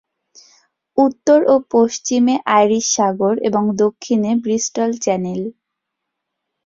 উত্তর ও পশ্চিমে আইরিশ সাগর এবং দক্ষিণে ব্রিস্টল চ্যানেল।